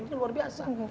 ini luar biasa